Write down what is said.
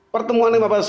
pertemuan lima belas menit